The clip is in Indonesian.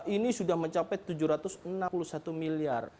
ini sudah mencapai tujuh ratus enam puluh satu miliar